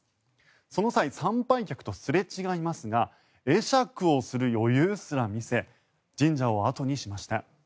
その際、参拝客とすれ違いますが会釈をする余裕すら見せ神社を後にしました。